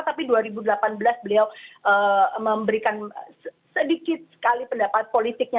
tapi dua ribu delapan belas beliau memberikan sedikit sekali pendapat politiknya